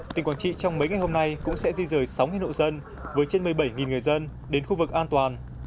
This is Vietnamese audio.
tỉnh quảng trị trong mấy ngày hôm nay cũng sẽ di rời sáu hộ dân với trên một mươi bảy người dân đến khu vực an toàn